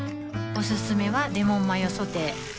おすすめはレモンマヨソテー